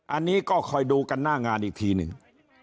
อันนี้ก็คอยดูกันหน้างานอีกทีหนึ่ง